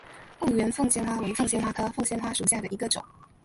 婺源凤仙花为凤仙花科凤仙花属下的一个种。